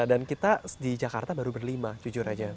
dan kita di jakarta baru berlima jujur aja